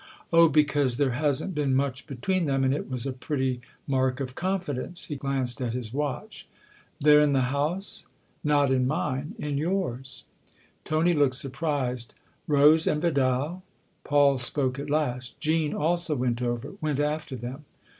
" Oh, because there hasn't been much between them, and it was a pretty mark of confidence." He glanced at his watch. " They're in the house ?"" Not in mine in yours." THE OTHER HOUSE 243 Tony looked surprised. " Rose and Vidal ?" Paul spoke at last. " Jean also went over went after them."